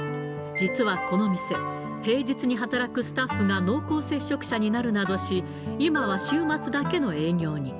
実はこの店、平日に働くスタッフが濃厚接触者になるなどし、今は週末だけの営業に。